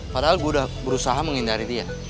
padahal gue udah berusaha menghindari dia